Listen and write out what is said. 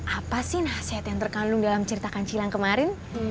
apa sih nasihat yang terkandung dalam ceritakan cilang kemarin